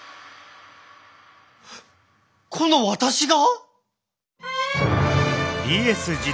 この私が！？